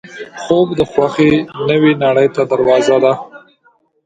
خوب د خوښۍ نوې نړۍ ته دروازه ده